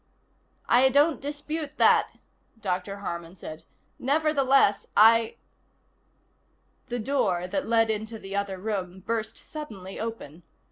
"I don't dispute that," Dr. Harman said. "Nevertheless, I " The door that led into the other room burst suddenly open.